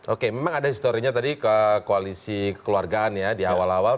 oke memang ada historinya tadi ke koalisi keluargaan ya di awal awal